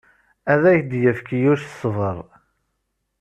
Ad ak-d-yefk Yuc ṣṣber.